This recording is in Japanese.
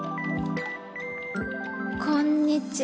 「こんにちは。